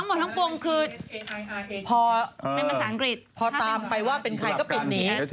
ไม่ใช่ยังไง